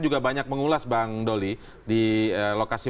juga banyak mengulas bang doli di lokasi